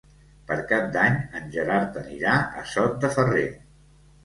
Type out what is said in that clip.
Per Cap d'Any en Gerard anirà a Sot de Ferrer.